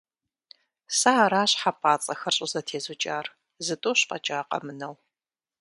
Сэ аращ хьэпӀацӀэхэр щӀызэтезукӀар, зытӀущ фӀэкӀа къэмынэу.